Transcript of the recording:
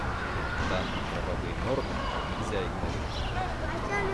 Данные правовые нормы нельзя игнорировать.